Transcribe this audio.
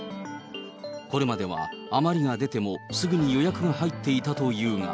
これまでは余りが出てもすぐに予約が入っていたというが。